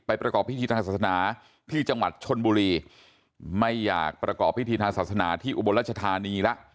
ประกอบพิธีทางศาสนาที่จังหวัดชนบุรีไม่อยากประกอบพิธีทางศาสนาที่อุบลรัชธานีแล้ว